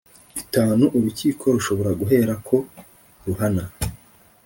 Itanu urukiko rushobora guhera ko ruhana